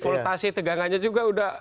voltasi tegangannya juga sudah